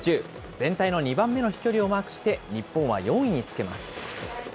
全体の２番目の飛距離をマークして、日本は４位につけます。